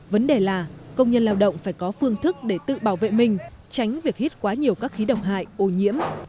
vấn đề là công nhân lao động phải có phương thức để tự bảo vệ mình tránh việc hít quá nhiều các khí độc hại ô nhiễm